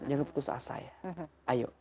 jangan putus asa ya